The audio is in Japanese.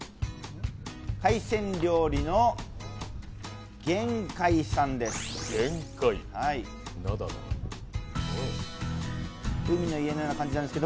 海鮮料理の玄海さんです。